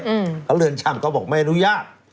แล้วเรือนช่ำก็บอกไม่อนุญาต